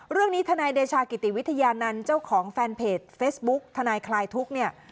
ทนายเดชากิติวิทยานันต์เจ้าของแฟนเพจเฟซบุ๊กทนายคลายทุกข์เนี่ย